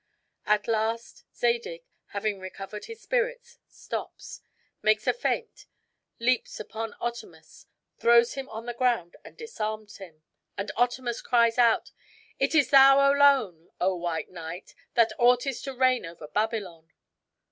At last Zadig, having recovered his spirits, stops; makes a feint; leaps upon Otamus; throws him on the ground and disarms him; and Otamus cries out, "It is thou alone, O white knight, that oughtest to reign over Babylon!"